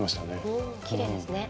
うんきれいですね。